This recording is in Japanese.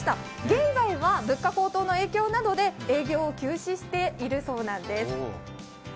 現在は物価高騰の影響などで営業を休止しているそうです。